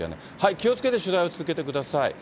気をつけて取材を続けてください。